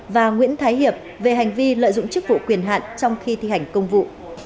và nguyễn thái hiệp về hành vi lợi dụng chức vụ quyền hạn trong khi thi hành công vụ